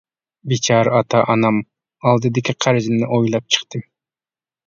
بىچارە ئاتا-ئانام ئالدىدىكى قەرزىمنى ئويلاپ چىقتىم.